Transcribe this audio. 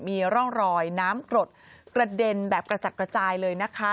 มีร่องรอยน้ำกรดกระเด็นแบบกระจัดกระจายเลยนะคะ